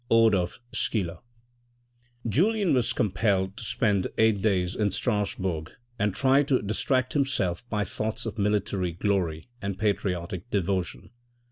— Ode of Schiller, Julien was compelled to spend eight days in Strasbourg and tried to distract himself by thoughts of military glory and patriotic devotion.